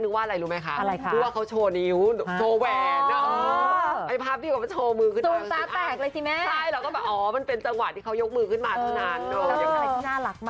น่ารักจังเลยอ่ะ